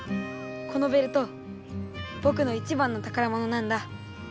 このベルトぼくの一番のたからものなんだ。